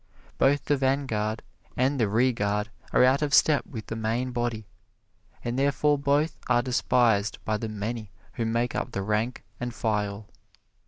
Both the vanguard and the rearguard are out of step with the main body, and therefore both are despised by the many who make up the rank and file.